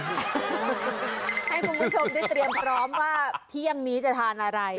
ให้คุณผู้ชมได้เตรียมพร้อมว่าเที่ยงนี้จะทานอะไร